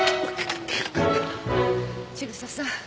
千草さん。